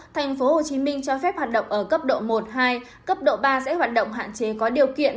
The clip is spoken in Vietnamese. tp hcm cho phép hoạt động ở cấp độ một hai cấp độ ba sẽ hoạt động hạn chế có điều kiện